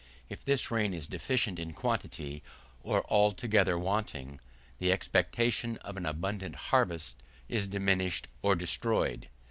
If this rain is deficient in quantity, or altogether wanting, the expectation of an abundant harvest is diminished or destroyed.